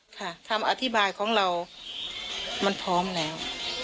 คำอธิบายของเรามันพร้อมแล้ว